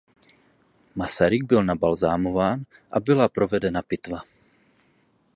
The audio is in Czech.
Masaryk byl nabalzamován a byla provedena pitva.